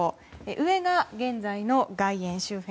上が現在の外苑周辺。